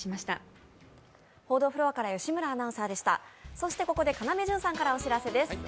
そしてここで要潤さんからお知らせです。